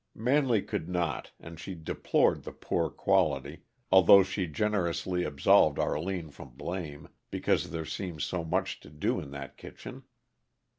Manley could not, and she deplored the poor quality, although she generously absolved Arline from blame, because there seemed so much to do in that kitchen.